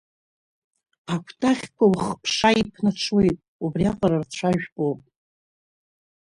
Акәтаӷьқәаухԥшаиԥнаҽуеит-убриаҟара рцәа жәпоуп.